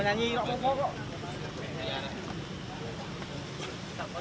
di tempat yang asli di jemaah